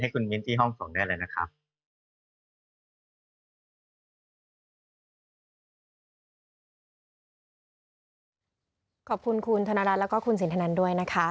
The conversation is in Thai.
ให้คุณมิ้นท์ที่ห้องส่งได้เลยนะครับ